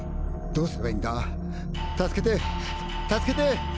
「どうすればいいんだ助けてぇ助けてぇ。